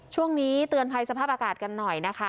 ช่วงนี้เตือนภัยสภาพอากาศกันหน่อยนะคะ